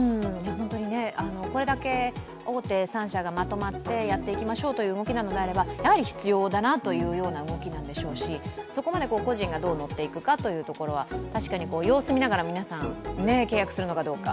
これだけ大手３社がまとまってやっていきましょうという動きならば、やはり必要だなという動きなんでしょうし、そこまで個人がどう持っていくかというのは、確かに、様子見ながら皆さん契約するのかどうか。